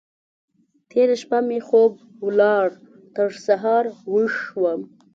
تېره شپه مې خوب ولاړ؛ تر سهار ويښ وم.